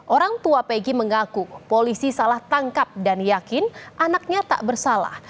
orang tua pegi mengaku polisi salah tangkap dan yakin anaknya tak bersalah